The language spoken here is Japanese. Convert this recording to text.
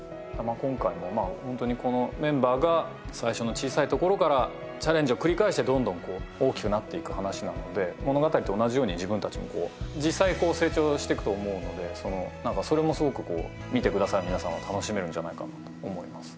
今回もホントにこのメンバーが最初の小さいところからチャレンジを繰り返してどんどん大きくなっていく話なので物語と同じように自分達も実際成長してくと思うのでそれもすごく見てくださる皆さんは楽しめるんじゃないかなと思います